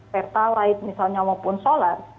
fertilite misalnya maupun solar